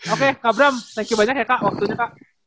oke kak bram thank you banyak ya kak waktunya kak